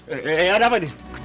eh eh eh ada apa ini